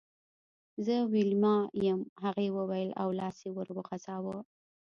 زه ویلما یم هغې وویل او لاس یې ور وغزاوه